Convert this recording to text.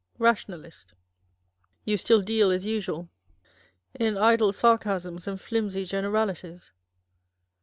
nationalist. You still deal, as usual, in idle sarcasms and flimsy generalities.